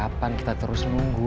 kapan kita terus menunggu